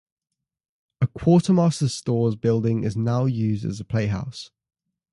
A quartermaster's stores building is now used as a playhouse.